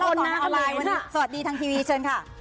เดี๋ยวเราสอนออนไลน์สวัสดีทางทีวีเชิญค่ะ